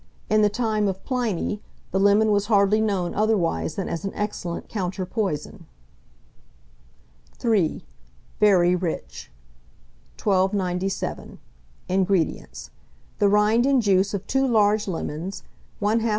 In the time of Pliny, the lemon was hardly known otherwise than as an excellent counter poison. III. (Very rich.) 1297. INGREDIENTS. The rind and juice of 2 large lemons, 1/2 lb.